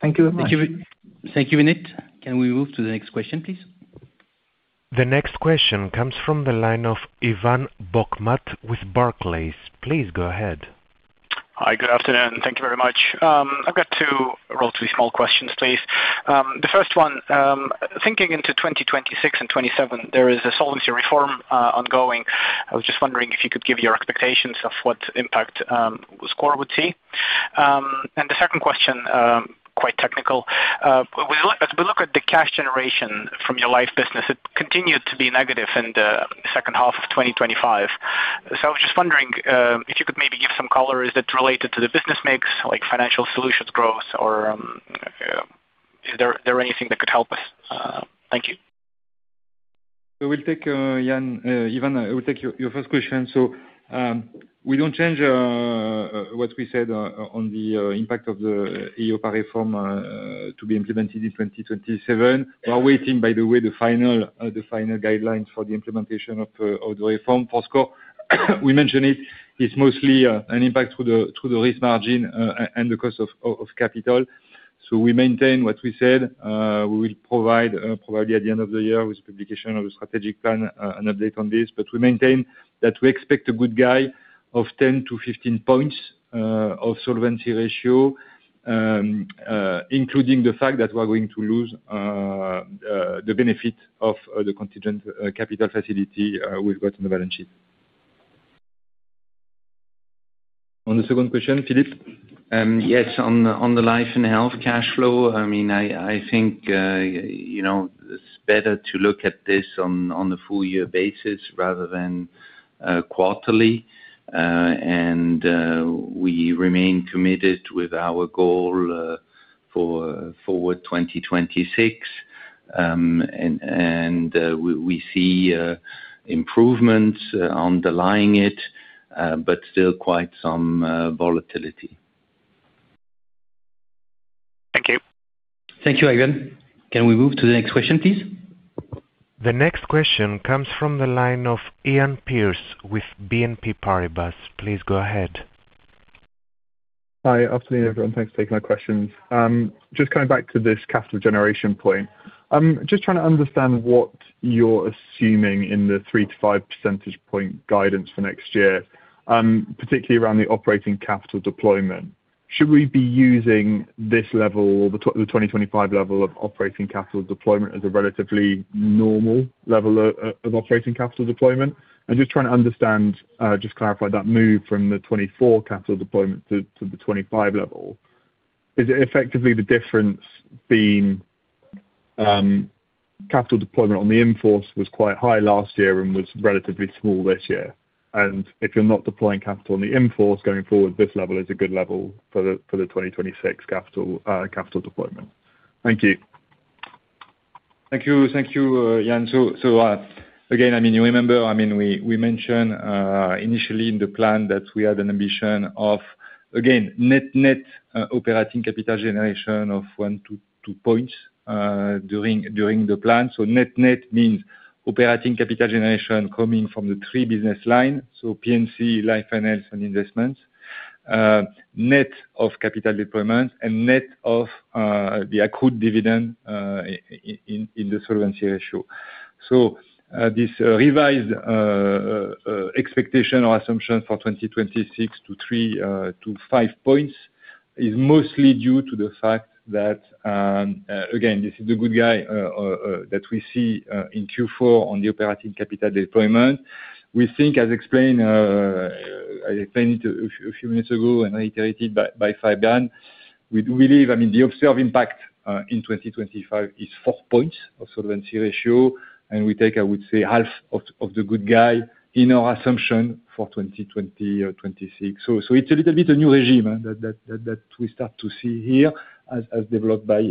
Thank you very much. Thank you. Thank you, Vinit. Can we move to the next question, please? The next question comes from the line of Ivan Bokhmat with Barclays. Please go ahead. Hi, good afternoon. Thank you very much. I've got two relatively small questions, please. The first one, thinking into 2026 and 2027, there is a solvency reform ongoing. I was just wondering if you could give your expectations of what impact SCOR would see. The second question, quite technical. As we look at the cash generation from your life business, it continued to be negative in the second half of 2025. I was just wondering if you could maybe give some color, is it related to the business mix, like financial solutions growth or is there anything that could help us? Thank you. We'll take Ian, Ivan, I will take your first question. We don't change what we said on the impact of the EIOPA reform to be implemented in 2027. We are waiting, by the way, the final guidelines for the implementation of the reform for SCOR. We mentioned it's mostly an impact to the risk margin and the cost of capital. We maintain what we said. We will provide probably at the end of the year with publication of a strategic plan an update on this. We maintain that we expect a good guy of 10 points-15 points of solvency ratio, including the fact that we're going to lose the benefit of the contingent capital facility we've got on the balance sheet. On the second question, Philippe. Yes, on the life and health cash flow, I mean, I think, you know, it's better to look at this on a full year basis rather than quarterly. We remain committed with our goal for Forward 2026. We see improvements underlying it, but still quite some volatility. Thank you. Thank you, Ivan. Can we move to the next question, please? The next question comes from the line of Iain Pearce with BNP Paribas. Please go ahead. Hi. Afternoon, everyone. Thanks for taking my questions. Just coming back to this capital generation point, just trying to understand what you're assuming in the 3 percentage point-5 percentage point guidance for next year, particularly around the operating capital deployment. Should we be using this level, the 2025 level of operating capital deployment as a relatively normal level of operating capital deployment? I'm just trying to understand, just clarify that move from the 2024 capital deployment to the 2025 level. Is it effectively the difference being, capital deployment on the in-force was quite high last year and was relatively small this year. If you're not deploying capital on the in-force going forward, this level is a good level for the 2026 capital deployment. Thank you. Thank you. Thank you, Ian. Again, I mean, you remember, I mean, we mentioned initially in the plan that we had an ambition of, again, net-net operating capital generation of 1 point-2 points during the plan. Net net means operating capital generation coming from the three business line, P&C, Life & Health, and Investments, net of capital deployment and net of the accrued dividend in the solvency ratio. This revised expectation or assumption for 2026 to 3 points-5 points is mostly due to the fact that, again, this is the good guy that we see in Q4 on the operating capital deployment. We think, as explained, I explained it a few minutes ago and reiterated by Fabian, we do believe, I mean the observed impact in 2025 is 4 points of solvency ratio, and we take, I would say, half of the good guy in our assumption for 2020 or 2026. It's a little bit a new regime that we start to see here as developed by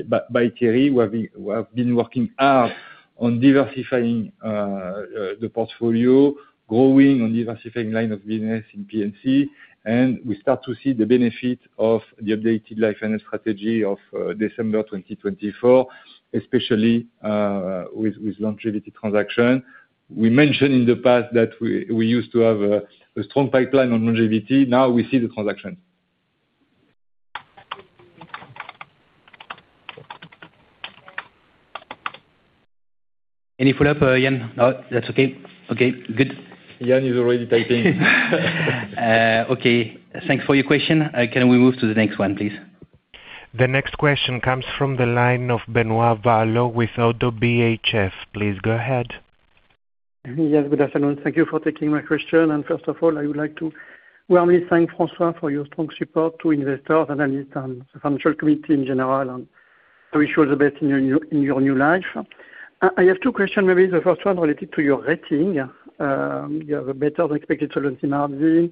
Thierry Léger, who have been working hard on diversifying the portfolio, growing and diversifying line of business in P&C. We start to see the benefit of the updated Life & Health strategy of December 2024, especially with longevity transaction. We mentioned in the past that we used to have a strong pipeline on longevity. Now we see the transaction. Any follow up, Ian? No, that's okay. Okay, good. Ian is already typing. Okay. Thanks for your question. Can we move to the next one, please? The next question comes from the line of Benoît Valleaux with ODDO BHF. Please go ahead. Yes, good afternoon. Thank you for taking my question. First of all, I would like to warmly thank François for your strong support to investors and the financial committee in general, and I wish you all the best in your new life. I have two questions, maybe the first one related to your rating. You have a better than expected solvency margin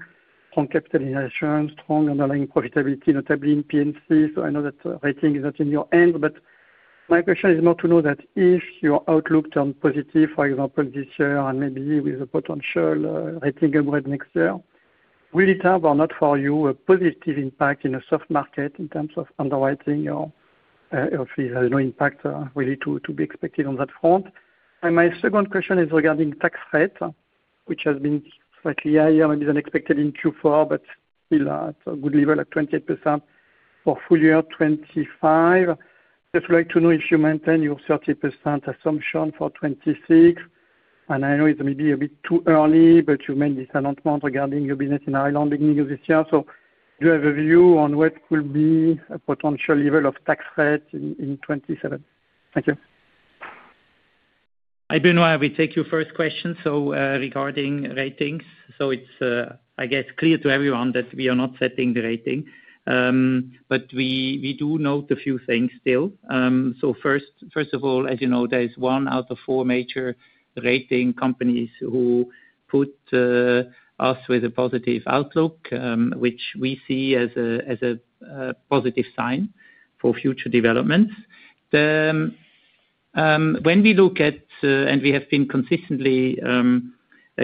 from capitalization, strong underlying profitability, notably in P&C. I know that rating is not in your hands, but my question is more to know that if your outlook turns positive, for example, this year and maybe with a potential rating upgrade next year, will it have or not for you a positive impact in a soft market in terms of underwriting or actually has no impact really to be expected on that front? My second question is regarding tax rate, which has been slightly higher, maybe than expected in Q4, but still at a good level at 28% for full year 2025. Just like to know if you maintain your 30% assumption for 2026, and I know it may be a bit too early, but you made this announcement regarding your business in Ireland beginning of this year. Do you have a view on what will be a potential level of tax rate in 2027? Thank you. Benoît, I will take your first question. Regarding ratings. It's, I guess clear to everyone that we are not setting the rating. We do note a few things still. First of all, as you know, there is one out of four major rating companies who put us with a positive outlook, which we see as a positive sign for future developments. When we look at, and we have been consistently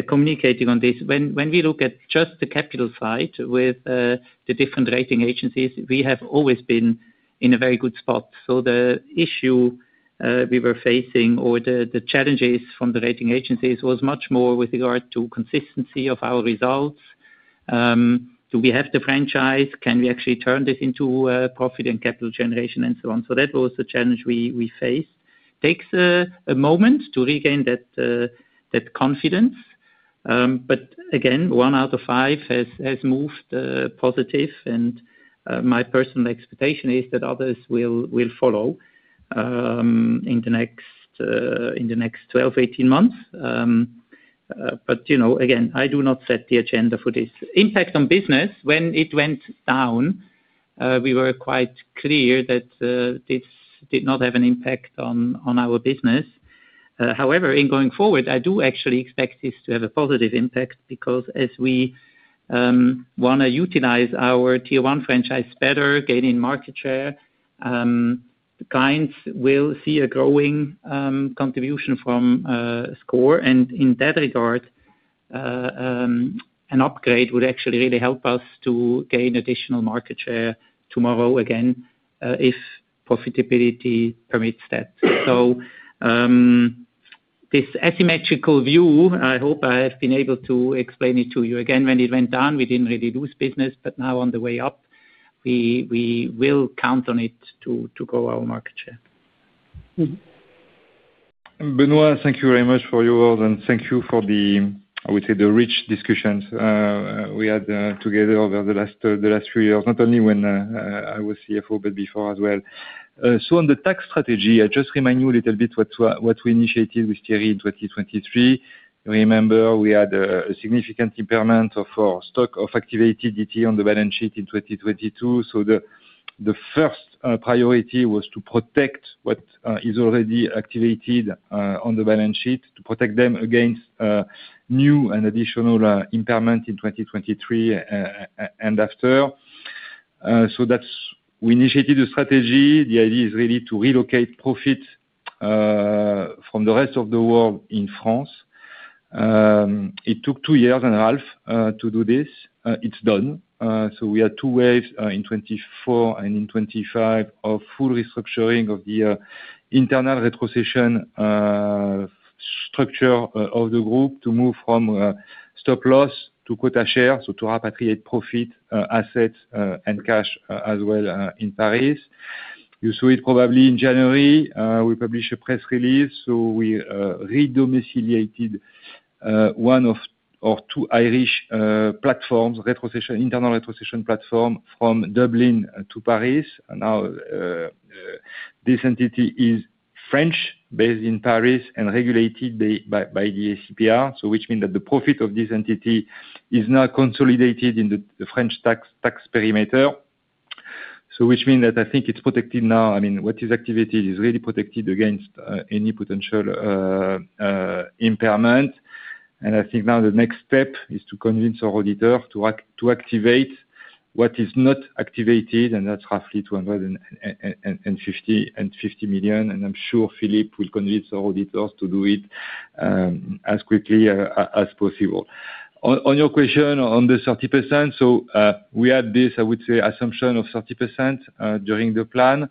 communicating on this. When we look at just the capital side with the different rating agencies, we have always been in a very good spot. The issue we were facing or the challenges from the rating agencies was much more with regard to consistency of our results. Do we have the franchise? Can we actually turn this into profit and capital generation and so on? That was the challenge we faced. Takes a moment to regain that confidence. Again, one out of five has moved positive and my personal expectation is that others will follow in the next 12 months-18 months. You know, again, I do not set the agenda for this. Impact on business, when it went down, we were quite clear that this did not have an impact on our business. However, in going forward, I do actually expect this to have a positive impact because as we wanna utilize our Tier 1 franchise better, gain in market share, clients will see a growing contribution from SCOR. In that regard, an upgrade would actually really help us to gain additional market share tomorrow, again, if profitability permits that. This asymmetrical view, I hope I have been able to explain it to you. Again, when it went down, we didn't really lose business, but now on the way up, we will count on it to grow our market share. Mm-hmm. Benoit, thank you very much for your words, thank you for the, I would say, the rich discussions we had together over the last three years, not only when I was CFO, but before as well. On the tax strategy, I just remind you a little bit what we initiated with Thierry in 2023. Remember, we had a significant impairment of our stock of activated DTA on the balance sheet in 2022. The first priority was to protect what is already activated on the balance sheet, to protect them against new and additional impairment in 2023 and after. We initiated a strategy. The idea is really to relocate profit from the rest of the world in France. It took two years and a half to do this. It's done. We had two waves in 2024 and in 2025 of full restructuring of the internal retrocession structure of the group to move from stop loss to quota share, to repatriate profit, assets, and cash as well in Paris. You saw it probably in January, we published a press release, we redomiciliated one of our two Irish platforms, internal retrocession platform from Dublin to Paris. Now, this entity is French, based in Paris, and regulated by the ACPR. Which means that the profit of this entity is now consolidated in the French tax perimeter. Which means that I think it's protected now. I mean, what is activity is really protected against any potential impairment. I think now the next step is to convince our auditor to activate what is not activated, and that's roughly 250 million. I'm sure Philippe will convince our auditors to do it as quickly as possible. On your question on the 30%, we had this, I would say, assumption of 30% during the plan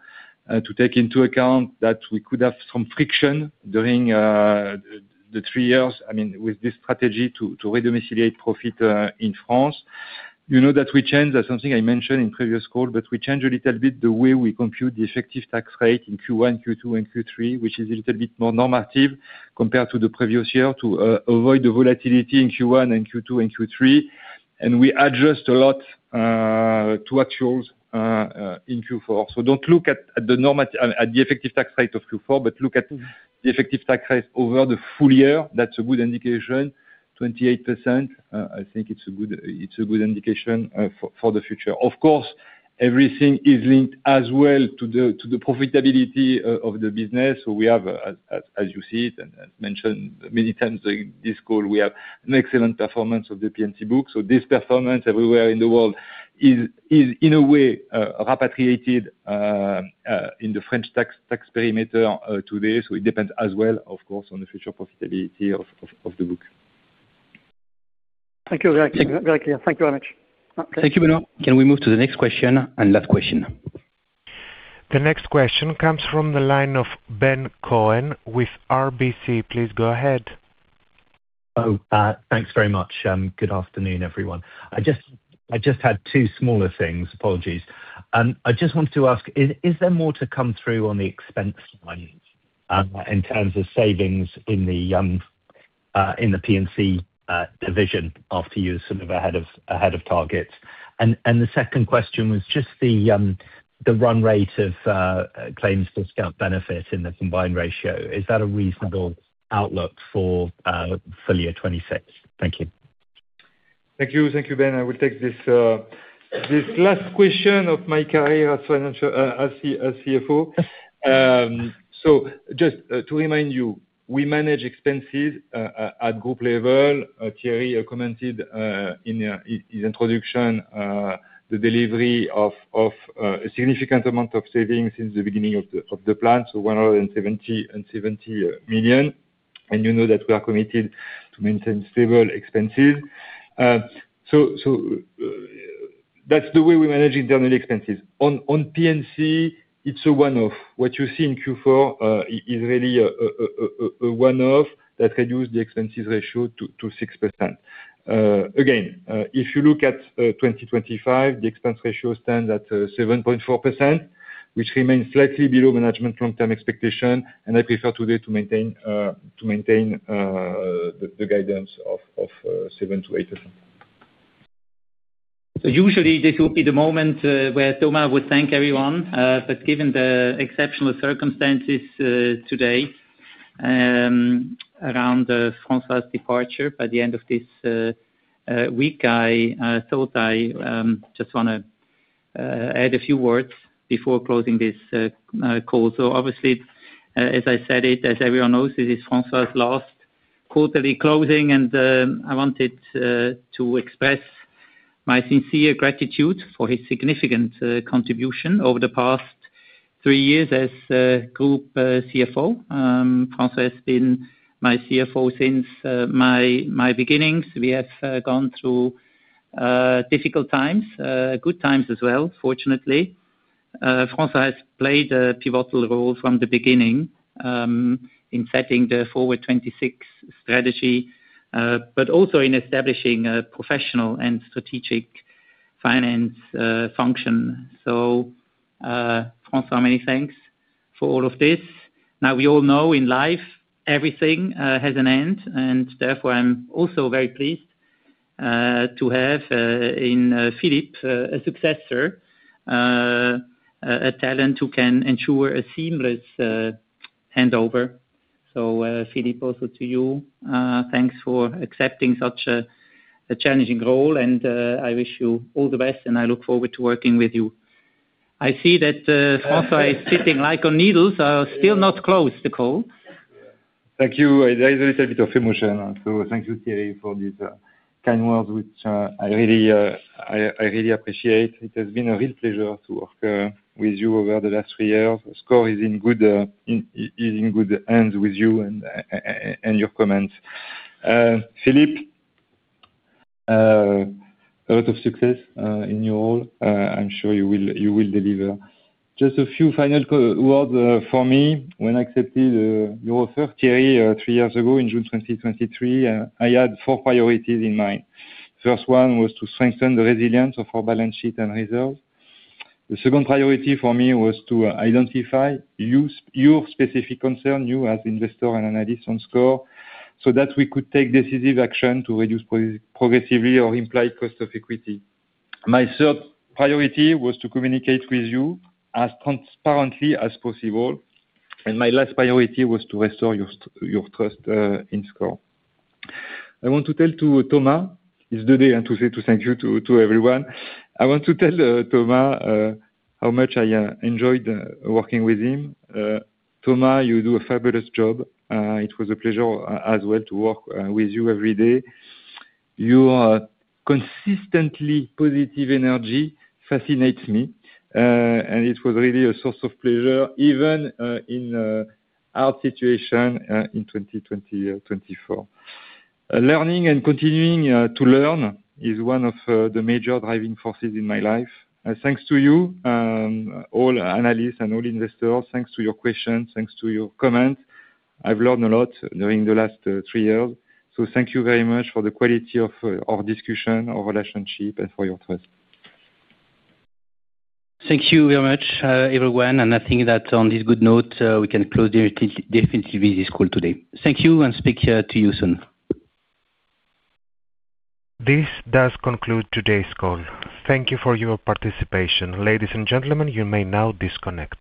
to take into account that we could have some friction during the three years, I mean, with this strategy to redomiciliate profit in France. You know that we change something I mentioned in previous call, but we change a little bit the way we compute the effective tax rate in Q1, Q2, and Q3, which is a little bit more normative compared to the previous year to avoid the volatility in Q1 and Q2 and Q3. We adjust a lot to actuals in Q4. Don't look at the effective tax rate of Q4, but look at the effective tax rate over the full year. That's a good indication. 28%, I think it's a good indication for the future. Of course, everything is linked as well to the profitability of the business. We have, as you see it, as mentioned many times in this call, we have an excellent performance of the P&C book. This performance everywhere in the world is in a way repatriated in the French tax perimeter today. It depends as well, of course, on the future profitability of the book. Thank you. Very clear. Thank you very much. Thank you, Bernard. Can we move to the next question and last question? The next question comes from the line of Ben Cohen with RBC. Please go ahead. Thanks very much. Good afternoon, everyone. I just had two smaller things. Apologies. I just wanted to ask, is there more to come through on the expense lines, in terms of savings in the P&C division after you're sort of ahead of target? The second question was just the run rate of claims for scout benefit in the combined ratio. Is that a reasonable outlook for full year 2026? Thank you. Thank you. Thank you, Ben. I will take this last question of my career as financial as CFO. Just to remind you, we manage expenses at group level. Thierry commented in his introduction the delivery of a significant amount of savings since the beginning of the plan, 170 million. You know that we are committed to maintain stable expenses. That's the way we manage internal expenses. On P&C, it's a one-off. What you see in Q4 is really a one-off that reduced the expense ratio to 6%. Again, if you look at 2025, the expense ratio stands at 7.4%, which remains slightly below management long-term expectation. I prefer today to maintain the guidance of 7%-8%. Usually this will be the moment where Thomas would thank everyone. Given the exceptional circumstances today, around François' departure by the end of this week, I thought I just wanna add a few words before closing this call. Obviously, as I said it, as everyone knows, this is François' last quarterly closing. I wanted to express my sincere gratitude for his significant contribution over the past three years as group CFO. François has been my CFO since my beginnings. We have gone through difficult times, good times as well, fortunately. François has played a pivotal role from the beginning in setting the Forward 2026 strategy, but also in establishing a professional and strategic finance function. François, many thanks for all of this. Now we all know in life, everything has an end, and therefore I'm also very pleased to have in Philippe, a successor. A talent who can ensure a seamless handover. Philippe, also to you, thanks for accepting such a challenging role, and I wish you all the best, and I look forward to working with you. I see that François is sitting like on needles. Still not closed the call. Thank you. There is a little bit of emotion. Thank you, Thierry, for this kind words, which I really appreciate. It has been a real pleasure to work with you over the last three years. SCOR is in good hands with you and your comments. Philippe, a lot of success in your role. I'm sure you will deliver. Just a few final words for me. When I accepted your offer, Thierry, three years ago in June 2023, I had four priorities in mind. First one was to strengthen the resilience of our balance sheet and reserves. The second priority for me was to identify your specific concern, you as investor and analyst on SCOR, we could take decisive action to reduce progressively our implied cost of equity. My third priority was to communicate with you as transparently as possible, my last priority was to restore your trust in SCOR. I want to tell to Thomas, it's the day to say thank you to everyone. I want to tell Thomas how much I enjoyed working with him. Thomas, you do a fabulous job. It was a pleasure as well to work with you every day. Your consistently positive energy fascinates me, it was really a source of pleasure even in our situation in 2024. Continuing to learn is one of the major driving forces in my life. Thanks to you, all analysts and all investors, thanks to your questions, thanks to your comments. I've learned a lot during the last three years. Thank you very much for the quality of our discussion, our relationship, and for your trust. Thank you very much, everyone. I think that on this good note, we can close definitely this call today. Thank you and speak to you soon. This does conclude today's call. Thank you for your participation. Ladies and gentlemen, you may now disconnect.